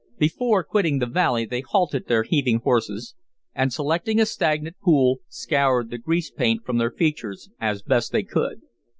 Before quitting the valley they halted their heaving horses, and, selecting a stagnant pool, scoured the grease paint from their features as best they could.